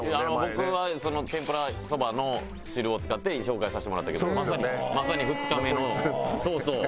僕は天ぷらそばの汁を使って紹介させてもらったけどまさにまさに２日目のそうそう。